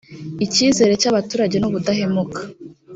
icyizere cy abaturage ni ubudahemuka